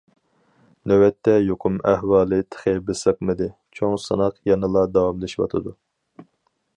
نۆۋەتتە يۇقۇم ئەھۋالى تېخى بېسىقمىدى، چوڭ سىناق يەنىلا داۋاملىشىۋاتىدۇ.